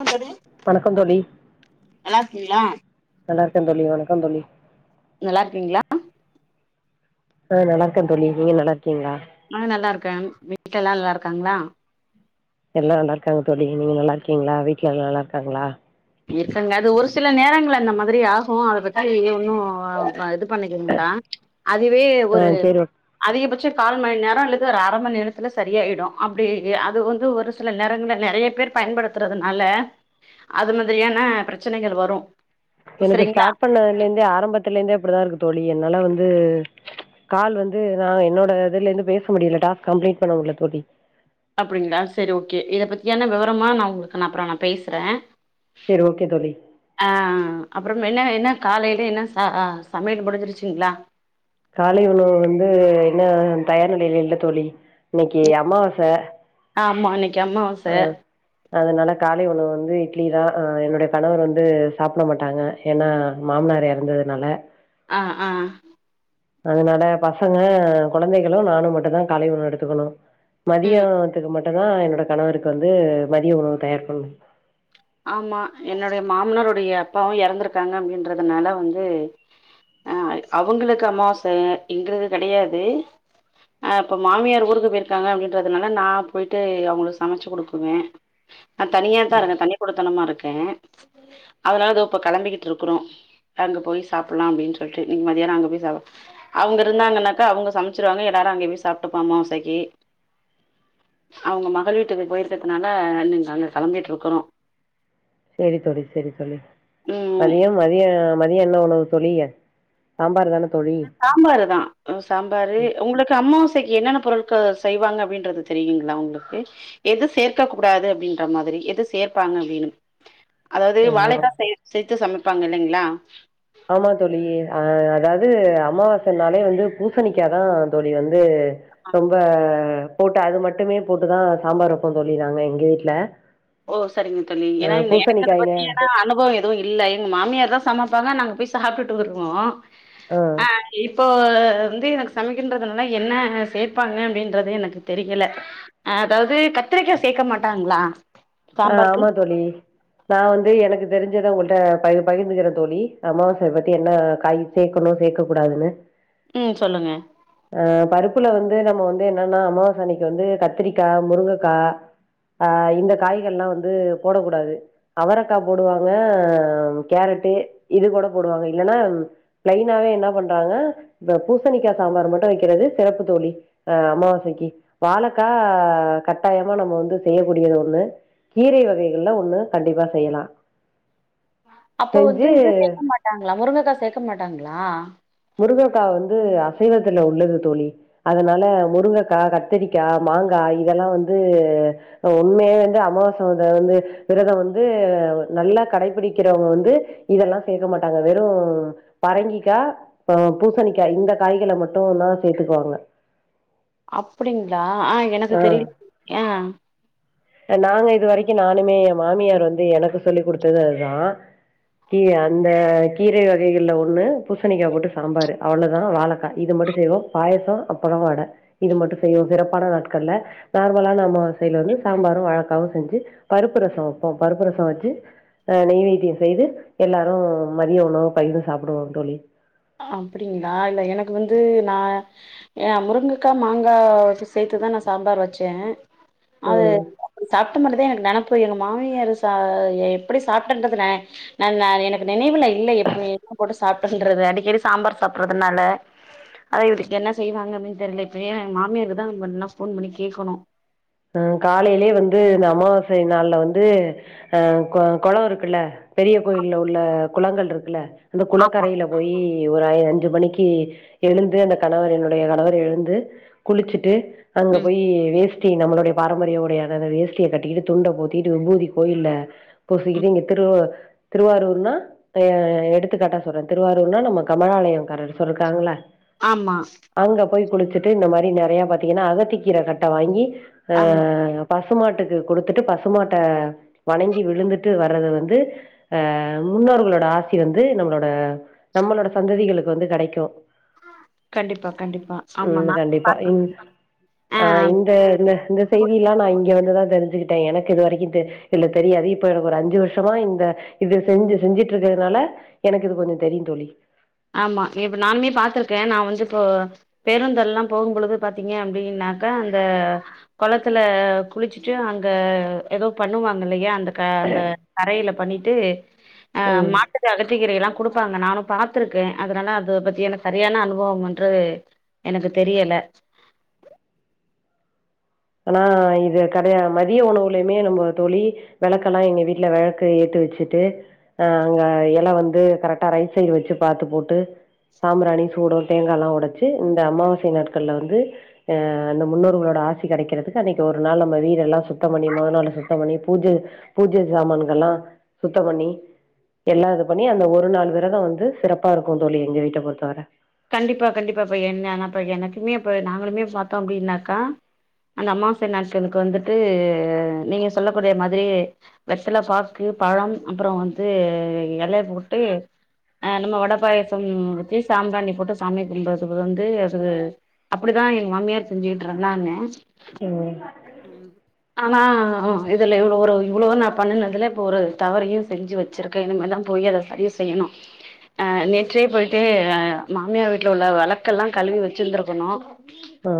[unintelligible] வணக்கம் தோழி நல்லா இருக்கீங்ளா நல்லாருக்கே தோழி வணக்கம் தோழி நல்லா இருக்கீங்ளா அ நல்லாிருக்கே தோழி நீங்க நல்லா இருக்கீங்ளா அ நல்லா இருக்கே வீட்லெல்லா நல்லா இருக்காங்ளா எல்லா நல்லா இருக்காங்க தோழி நீங்க நல்லா இருக்கீங்களா வீட்ல எல்லா நல்லா இருக்காங்ளா இருக்குங்க அது ஒரு சில நேரங்கள் அந்த மாதிரி ஆகு அத பத்தி ஒன்னு [inaudible] [unintelligible] அதுவே ஆ ஒரு சேரி அதிகபட்ச கால் மணி நேரோ அல்லது ஒரு அர மணி நேரத்துல சரியாயிடு அப்டி அது வந்து ஒரு சில நேரங்கள்ல நெறைய பேர் பயன்படுத்துறதுனால அது மாதிரியான ப்ரச்சனைகள் வரு எனக்கு சரிங்களா ஸ்டாட் பண்ணதுலேந்தே ஆரம்பத்துலேந்தே அப்படிதா இருக்கு தோழி என்னால வந்து கால் வந்து நா என்னோட இதுல இருந்து பேச முடில டாஸ்க் கம்ப்ளீட் பண்ண முடில தோழி அப்படிங்ளா செரி ஓகே இத பத்தியான விவரமா நா உங்களுக்கு நா அப்றோ நா பேசுறே சேரி ஓகே தோழி அ அப்புறம் என்ன என்ன காலையில என்ன ச அ சமையலு முடிஞ்சிருச்சுங்களா காலை உணவு வந்து இன்னு தயார் நிலையில இல்ல தோழி இன்னைக்கு அம்மாவாச ஆம்மா இன்னிக் அ அதனால காலை உணவு வந்து இட்லிதா அ என்னுடய கணவர் வந்து சாப்புட மாட்டாங்க ஏனா மாமனார் எறந்ததுனால அ அ அதனால பசங்க கொழந்தைகளு நானு மட்டுதா காலை உணவு எடுத்துக்கணு ம் மதியான்த்துக்கு மட் டுதா என்னோட கணவருக்கு வந்து மதிய உணவு தயார் பண்ணு ஆமா என்னுடைய மாமனருடைய அப்பாவும் எறந்துருக்காங்க அப்டின்றதுனால வந்து அ அவங்களுக்கு அம்மாவாச எங்களுக்கு கெடையாது அ இப்ப மாமியார் ஊருக்கு போயிருக்காங்க அப்டின்றதுனால நா போயிட்டு அவங்களுக்கு சமைச்சு குடுக்குவே ஆ தனியாதா இருந்த தனியா தனமா இருக்கே அதனால இதோ இப்ப கெளம்பிட்டு இருக்கறோம் அங்க போய் சாப்புட்லாம் அப்டினு சொல்ட்டு இன் மத்யானோ அங்க போய் சாவ அவங்க இருந்தாங்கன்னாக்கா அவங்க சமைச்சிருவாங்க எல்லாரும் அங்க போய் சாப்ட்டுப்பாமோசைக்கு அவங்க மகள் வீட்டுக்கு போயிற்கதுனால நீங்க அங்க கெளம்பிட்டு இருக்கறோ சரி தோழி சரி தோழி ம் மதியம் மதிய மதிய என்ன உணவு தோழிய சாம்பார் தான தோழி சாம்பாரு தா அ சாம்பாரு உங்களுக்கு அம்மாவாசைக்கு என்னன்ன பொருள்கள் செய்வாங்க அப்டின்றது தெரியுங்களா உங்களுக்கு எது சேர்க்க கூடாது அப்படின்ற மாதிரி எது சேர்ப்பாங்க அப்டினு அதாவது ஆ வாழைக்கா சே சேத்து சம இருப்பாங்க இல்லைங்களா ஆமா தோழி அ அதாவது அமாவாசனாலே வந்து பூசணிக்காதா தோழி வந்து ரொம்ப போட்டு அது மட்டுமே போட்டுதா சாம்பார் வப்ப தோழி நாங்க எங்க வீட்ல ஓ சரிங்க தோழி ஏனா ஆ எனக்கு அத பூசணிக்காய்ங்க பத்தியனா அனுபவம் எதுவும் இல்ல எங்க மாமியார் தா சமைப்பாங்க நாங்க போய் சாப்ட்டுட்டு வருவோ ஆ இப்போ வந்து எனக்கு சமைக்கின்றதுனால என்ன சேர்ப்பாங்க அப்டின்றது எனக்கு தெரியல அதாவது கத்திரிக்காய் சேக்க மாட்டாங்களா ஆ சாம்பாருக்கு ஆமா தோழி நா வந்து எனக்கு தெரி ஞ்சத உங்கள்ட்ட பகி பகிர்ந்துக்கிறே தோழி அமாவாசை பத்தி என்ன காய் சேக்கணும் சேக்க கூடாதுனு ம் சொல்லுங்க ஆ பருப்புல வந்து நம்ம வந்து என்னன்னா அமாவாசா அனைக்கு வந்து கத்திரிக்கா முருங்கக்கா ஆ இந்தக் காய்கள்லா வந்து போடக்கூடாது அவரக்கா போடுவாங்க கேரட்டு இது கூட போடுவாங்க இல்லன்னா ப்ளைனாவே என்ன பண்ணறாங்க இப்போ பூசணிக்கா சாம்பார் மட்டும் வைக்கிறது சிறப்பு தோழி அ அமாவாசைக்கு வாழைக்கா கட்டாயமாக நம்ம வந்து செய்யக்கூடியது ஒன்னு கீரை வகைகள்ல ஒண்ணு கண்டிப்பா செய்யலாம் அப்போ வந்து இது சேக்க மாட்டாங்களா முருங்கக்கா சேக்க மாட்டாங்களா முருங்கக்கா வந்து அசைவத்துல உள்ளது தோழி அதனால முருங்கக்கா கத்திரிக்கா மாங்கா இதெல்லா வந்து அ உண்மையே வந்து அமாவாசை வந்தா வந்து விரதம் வந்து நல்லா கடைபிடிக்கிறவங்க வந்து இதெல்லா சேக்க மாட்டாங்க வெறும் பரங்கிக்கா ப பூசணிக்கா இந்த காய்களை மட்டுந்தா சேத்துக்குவாங்க அப்படிங்களா ஆ எனக்கு தெரி ய நாங்க இது வரைக்கும் நானுமே ஏன் மாமியார் வந்து எனக்கு சொல்லிக் குடுத்தது அதுதா கீ அந்த கீரை வகைகள்ல ஒண்ணு பூசணிக்கா போட்டு சாம்பார் அவ்வளோதா வாழைக்கா இது மட்டும் செய்வோ பாயசம் அப்பளம் வட இது மட்டும் செய்வோம் சிறப்பான நாட் கள்ல நார்மலா நம்ம சைடுல வந்து சாம்பாரும் வாழக்காவும் செஞ்சு பருப்பு ரசம் வைப்போம் பருப்பு ரசம் வச்சு அ நெய்வேத்தியம் செய்து எல்லாரும் மதியம் உணவு பகிர்ந்து சாப்டுவோ தோழி அப்டிங்களா இல்ல எனக்கு வந்து நா ஏ முருங்கக்கா மாங்கா வச்சு சேத்துதா நா சாம்பார் வச்சேன் அது ம் சாப்ட்ட மாரிதா எனக் நினப்பு எங்க மாமியார் சா எப்படி சாப்ட்டன்றது நா நாநா எனக்கு நினைவுல இல்ல எப்பு என்ன போட்டு சாப்டன்றது அடி ரி சாம்பார் சாப்டறதுனால அது இதுக்கு என்ன செய்வாங்க அப்டின் தெரியல இப்ப ஏன் மாமியருக்குதா நம் வேணா போன் பண்ணி கேக்கணு அ காலையிலேயே வந்து இந்த அமாவாசை நாள்ல வந்து அ கொ கொளொ இருக்குல்ல பெரிய கோயில்ல உள்ள குளங்கள் இருக்குல்ல அந்த ஆமா குளக்கரையில போயி ஒராயி அஞ்சு மணிக்கி எழுந்து அந்த கணவர் என்னுடைய கணவர் எழுந்து குளிச்சிட்டு அங்க ம் போய் வேஸ் டி நம்மளுடைய பாரம்பரிய உடையான அந்த வேஷ்டிய கட்டிகிட்டு துண்ட போத்திட்டு விபூதி கோயில்ல போசிக்கிது ம் இங்க திருவ திருவாரூர்னா த எடுத்துக்காட்டா சொல்றே திருவாரூர்னா நம்ம கமலாலயொ கரர்சொருக்காங்கள ஆமா குடுத்துட்டு இந்த மாரி நெறையா பாத்திங்கனா அகத்திக்கீர கட்ட வாங்கி ஆ ஆமா பசுமாட்டுக்கு குடுத்துட்டு பசுமாட்ட வணங்கி விழுந்துட்டு வர்றது வந்து அ முன்னோர்களோட ஆசி வந்து நம்மளோட நம்மளோட சந்ததிகளுக்கு வந்து கெடைக்கு கண்டிப்பா கண்டிப்பா ஆமாங்க உம் கண்டிப்பா ம் ஆ ஆஹ் இந்த இந்த இந்த செய்தியெலா நா இங்க வந் துதா தெரிஞ்சுகிட்டே எனக்கு இது வரைக்கு தெ இல்ல தெரியாது இப்ப எனக்கு ஒரு அஞ்சு வருஷமா இந்த இது செஞ்சு செஞ்சிட்டு இருக்கிறதுனால எனக்கு இது கொஞ்ச தெரியு தோழி ஆமா இப் நானுமே பாத்துருக்கே நா வந்து இப்போ பேருந்தெல்லா போகும் பொழுது பாத்திங்க அப்டின்னாக்க அந்த கொளத்துல குளிச்சுட்டு அங்க ஏதோ பண்ணுவாங்க இல்லையா அந்த க அந்த கரையில பண்ணிட்டு ஆ ம் மாட்டுக்கு அகத்திகீர எல்லா குடுப்பாங்க நானு பாத் துருக்கே அதனால அத பத்தி எனக்கு சரியான அனுபவம் என்று எனக்கு தெரியல அனா இது கிடையா மதிய உணவுலயுமே நம்ம தோழி வெளக்கெலா எங்க வீட்ல வெளக்க ஏத்து வச்சுட்டு அ அங்க இல வந்து கரெக்டா ரைட் சைடு வச்சு பாத்து போட்டு சாம்புராணி சூடோ தேங்காலா ஒடைச்சி இந்த அமாவாசை நாட்கள்ல வந்து அ அந்த முன்னோர்களோட ஆச டி கெடைக்குறதுக்கு அன்னைக்கு ஒரு நாள் நம்ம வீடெல்லா சுத்தம் பண்ணி மொதநாளு சுத்தம் பண்ணி பூஜ பூஜ ஜாமானுங்கல்லா சுத்தம் பண்ணி எல்லா இது பண்ணி அந்த ஒரு நாள் விரதொ வந்து சிறப்பா இருக்கு தோழி எங்க வீட்ட பொறுத்தவரை கண்டிப்பா கண்டிப்பாப்ப என்ன அப் எனக்குமே இப்ப நாங்களுமே பாத்தோ அப்படின்னாக்கா அந்த அம்மாசை நாட்களுக்கு வந்துட்டு நீங்க சொல்லக்கூடிய மாதிரி வெத்தல பாக்கு பழம் அப்புற வந்து எல போட்டு அ நம்ம வட பாயசம் வெச்சு சாம்ப்ராணி போட்டு சாமி கும்பது வந்து அப்படிதா எங்க மாமியார் செஞ்சுகிட்ருந்தாங்க ம் ம் ஆனா அ இதுல இவ்ளோ ஒரு இவ்ளொவு நா பண்ணுனதுல இப்ப ஒரு தவறையும் செஞ்சு வச்சிருக்கே இனிமேதா போயி அத சரிவு செய்யணு அஹ் நேற்றே பொய்ட்டு அ மாமியா வீட்ல உள்ள வெளக்கெல்லா கழுவி வச்சிருந்ருக்கணு ஆ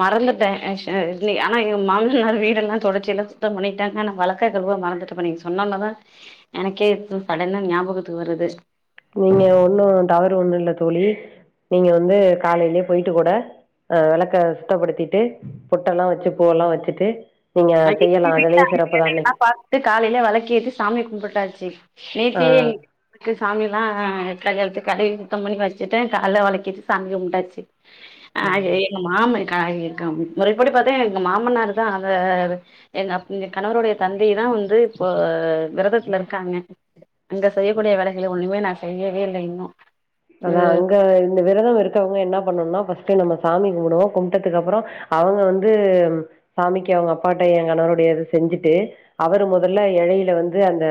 மறந்துட்ட ஆஷ லி ஆனா எ மாமனார் வீடெல்லா தொடச்சியெல்லா சுத்தம் பண்ணிட்டாங்க நா வெளக்க கழுவ மறந்துட்டப்பா நீ சொன்னோனதா எனக்கே சடனா ஞாபகத்துக்கு வருது நீங்க ஒண்ணு தவறு ஒண்ணில்ல தோழி நீங்க வந்து காலைலயே பொயிட்டு கூட அ வெளக்க சுத்தபடுத்திட்டு பொட்டலா வச்சு பூவெல்லா வச்சுட்டு நீங்க அடிக்கடி செய்யலா [inaudible] அதுலயு சிறப்புதா வேலையெல்லா அன்னைக்கு பாத்துட்டு காலையில வெளக்கிட்டு சாமி கும்புட்டாச்சி நேத்தியே ஆ [inaudible] சாமிலா [unintelligible] கடவி சுத்தம் பண்ணி வச்சுட்ட கால்ல வெளக்கிட்டு சாமிய கும்ட்டாச்சி அ ஏ மாம க க முறைப்படி பாத்தா எங்க மாமனாருதா அத எங்க கணவருடைய தந்தைதா வந்து இப்போ விரதத்துல இருக்காங்க அங்க செய்யக்கூடிய வேலைகள ஒண்ணுமே நா செய்யவே இல்ல இன்னு அதா அங்க இந்த விரதொ இருக்கவங்க என்ன பண்ணுன்னா ஃபஸ்ட்டே நம்ம சாமி கும்பிடுவோம் கும்பிட்டதுக்கு அப்புறம் அவங்க வந்து சாமிக்கு அவங்க அப்பாட்ட எங்கணவருடையது செஞ்சுட்டு அவரு முதல்ல இழையில வந்து அந்த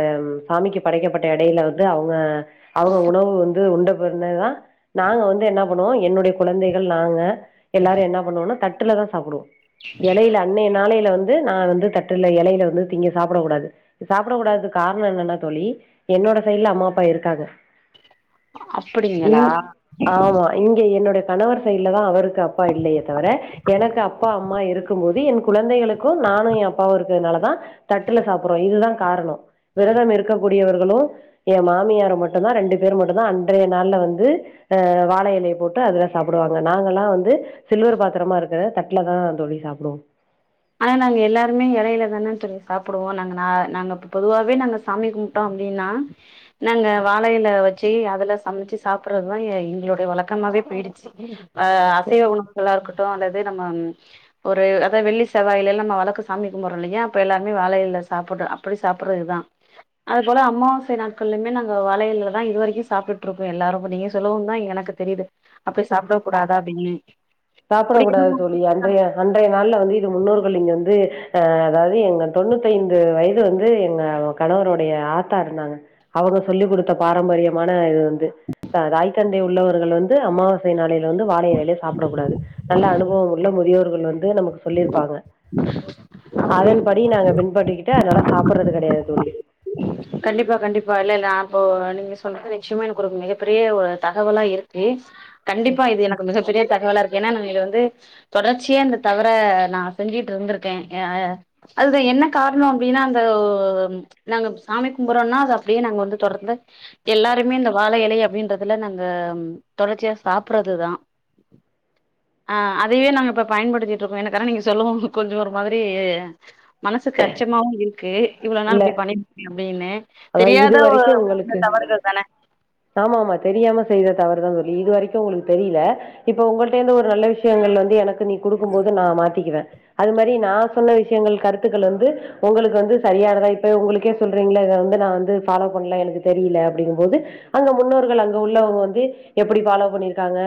சாமிக்கு படைக்கப்பட்ட இடையில வந்து அவங்க அவங்க உணவு வந்து உண்ட ந்ததுதான் நா வந்து என்ன ம் என்னுடைய குழந்தைகள் நாங்க எல்லாரும் என்ன பண்ணுவ தட்டி ட்டுலதா சாப்புடுவோ எலைல அண்ணேனாலைலே வந்து து நா வந்து தட்டுல எலைல வந்து தீங்க சாப்புடக் கூடாது சாப்புடக் கூடாததுக்கு காரண என்னென்னா தோழி என்னோட சைட்ல அம்மா பா இருக்காங்க யூ அப்படிங்களா ஆமா இங்க என்னோட கணவர் சைட்லதா அவர்க் க அப்பா இல்லையே தவர எனக் அப் பா அம்மா இருக்கும் போது என் குழந்தைகளுக்கோ நானு எ அப்பாவு இருக்கதனாலதா தட்டுல சாப்புற்றோ இதுதா காரணோ விரதம் இருக்க கூடியவர்களோ எ மாமியாரோ மட்டோதா ரெண்டு பேர் மட்டோதா அன் றேய நாள்ல வந்து ஆ வாழை எலைய போட்டு அதுல சாப்புடுவாங்க நாங்கல்லா வந்து சில்வர் பாத்திரமா இருக்கறத தட்லதா தோழி சாப்டுவோ ஆனா நாங்க எல்லாருமே எலைலதான சொல்லி சாப்புடுவோ நாங்க நா நாங்க ப்ப் பொதுவாவே நாங்க சாமி கும்ட்டோ அப்டின்னா நாங்க வாழைல வெச்சு அதுல சமைச்சு சாப்றதுதா எ எங்களோடைய வழக்கமாவே பேயிடிச்சி ஆ அசைவ உணவுகளா இருக்கட்டோ அந்த இதே நம்மம் ஒரு அதா வெள்ளி செவ்வாயிலலா நம்ம வழக்கோ சாமி கும்புற்றோ இல்லியா அப்ப எல்லார்மே வாழையில சாப்புட்னு அப்டி சாப்பிறது இதா அத் போல அமாசை நாட்கள்லுமே நாங்க வாழை எலையல்லதா இதுவரைக்கு சாப்ட்டுட்டுருக்கோ எல்லாரு நீங்க சொல்லவும் தா எனக்கு தெரிது அப்டி சாப்ட கூடாதா [inaudible] சாப்பட அப்படி கூடாது எதுவு தோழி அன்றைய அன்றைய நாள்ல வந்து இது முன்னோர் லிங்க வந்து ஆ அதாவது எங்க தொண்ணூத்தைந்து வயது வந்து எங்க கணவரோடைய ஆத்தா இருந்தாங்க அவுங்க சொல்லிக் குடுத்த பாரம்பரியமான இது வந்து தாய் தந்தை உள்ளவர்கள் வந்து அமாவாசை நாளைள ந்து வாழை எலைலேயே சாப்டக்கூடாது நல்ல அனுபவமுள்ள முதியோர்கள் வந் து நமக் சொல்லியிருப்பாங்க அதன்படி நாங்க பின் பண்ணி டே அதலா சாப்படறது கெடையாது தோழி கண்டிப்பா கண்டிப்பா இல்லேல ஆ போ நீங்க சொல்தற்றெச்சிம எனக்கொரு மிகப்பெரிய ஒரு தகவலா இருக்கு கண்டிப்பா இது எனக்கு மிகப்பெரிய தகவல இரு ஏனா நாங்க இத வந்து தொடர்ச்சியா இந்த தவற நா செஞ்சுட் இருந்திருக்கே எ அதுதா என்ன காரணோ அப்டின்னா அந்த ஓ ச்ச நாங்க சாமி கும்புறோனாஸ் அப்டே நாங்க வந்து தொடர்ந்து எல்லாருமே இந்த வாழ எலைய அப்டின்றதுல நாங்க தொடர்ச்சியா சாப்றதுதா ஆ அதயே நாங்க இப்ப பயன்படுத்திட்டு இருக்கோ எனக்கு ஆனா நீங்க சொல்லுவோ கொஞ்சோ ஒரு மாதிரி மனசுக்கு அச்சமாவு இருக்கு இவ்ளோ நாள் இப்டி பண்ணி எப்டின்னு ஆனா இதுவரைக்கோ உங்களுக்கு தான ஆமாமா தெரியாம செய்த தவறுதா தோழி இதுவரைக்கு உங்களுக்கு தெரில இப்ப உங்கள்ட இருந்து ஒரு நல்ல விஷயங்கள் வந்து எனக்கு நீ குடுக்கும் போது நா மாத்திக்குவே அது மாரி நா சொன்ன விஷயங்கள் கருத்துக்கள் வந்து உங்களுக்கு வந்து சரியானத இல்ல உங்களுக்கே சொல்றீங்களா இது அந்த நா வந்து பாலோ பண்ல எனக்கு தெரியில அப்டிகம் போது அங்க முன்னோர்கள் அங்க உள்ளவங்க வந்து எப்பிடி பாலோ பண்ணிருக்காங்க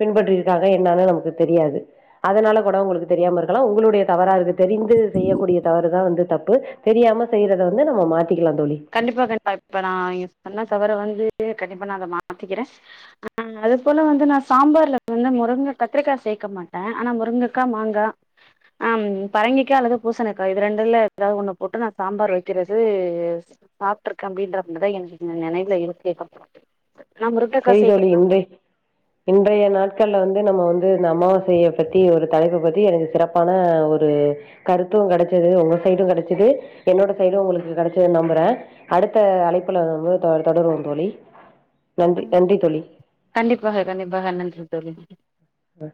பின்பற்றி இருக்காங்க என்னானு நமக்கு தெரியாது அதனால கூட உங்களுக்கு தெரியாம இருக்கலா உங்களுடைய தவறா இரு தெரிந்து செய்யக்கூடிய தவறுதா வந்து தப்பு தெரியாம செய்றத வந்து நம்ம மாத்திக்கிலா தோழி கண்டிப்பா கண்டிப்பா இப்ப நா [inaudible] பண்ண தவற வந்து கண்டிப்பா நா அத மாத்திக்கிறே ஆ அத போல வந்து நா சாம்பார்ல வந்து முருங்க கத்திரிக்கா சேக்க மாட்டே ஆனா முருங்கக்கா மாங்கா ஆம் பரங்கிக்கா அல்லது பூசணக்கா இது ரெண்டுல எதா ஒன்னு போட்டு நா சாம்பார் வெக்கிறது சாப்ட்டுருக்கே அப்டின்றமாதிதா எனக்கு நெனைவில இருக்கு நா முருங்கக்கா சேக்க செய்தோழி இன்றே இன்றைய நாள் நாட்கள்ல வந்து நம்ம வந்து இந்த அமாவாசைய பத்தி ஒரு தலைப்பு பத்தி எனக்கு சிறப்பான ஒரு கருத்தும் கெடைச்சிது உங்க சைடும் கெடைச்சிது என்னோட சைடும் உங்களுக்கு கெடைச்சிதுனு நம்புறே அடுத்த அழைப்புல நம்ப தொடருவோ தோழி நன்றி ம் நன்றி தோழி கண்டிப்பாக கண்டிப்பாக நன்றி தோழி, வ